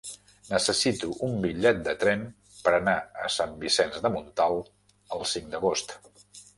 Necessito un bitllet de tren per anar a Sant Vicenç de Montalt el cinc d'agost.